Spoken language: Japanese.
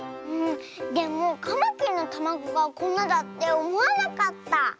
でもカマキリのたまごがこんなだっておもわなかった。